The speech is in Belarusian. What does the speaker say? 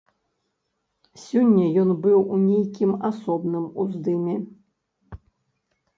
Сёння ён быў у нейкім асобным уздыме.